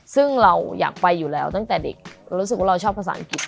ซึ่งเราอยากไปอยู่แล้วตั้งแต่เด็กเรารู้สึกว่าเราชอบภาษาอังกฤษ